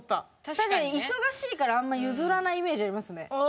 確かに忙しいからあんま譲らないイメージありますね。